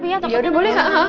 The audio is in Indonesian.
yaudah boleh kak